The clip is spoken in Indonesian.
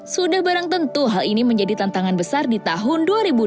sudah barang tentu hal ini menjadi tantangan besar di tahun dua ribu dua puluh